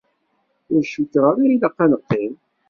Ur cukkeɣ ara ilaq ad neqqim.